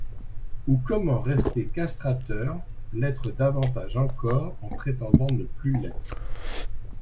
Ou comment rester castrateur, l'être davantage encore en prétendant ne plus l'être.